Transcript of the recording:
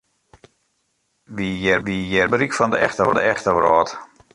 Men wie hjir bûten it berik fan de echte wrâld.